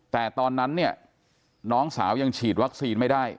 แต่ตอนนั้นเนี่ยน้องสาวยังฉีดวัคซีนไม่ได้